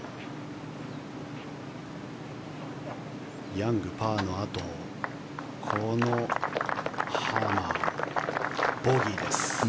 ヤング、パーのあとこのハーマン、ボギーです。